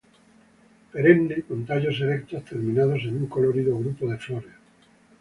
Perenne, con tallos erectos terminados en un colorido grupo de flores.